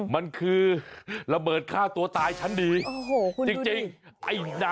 มันคือระเบิดฆ่าตัวตายฉันดี